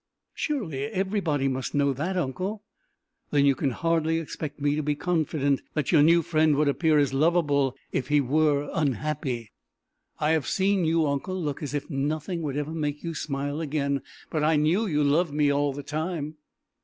"Surely everybody must know that, uncle!" "Then you can hardly expect me to be confident that your new friend would appear as lovable if he were unhappy!" "I have seen you, uncle, look as if nothing would ever make you smile again; but I knew you loved me all the time."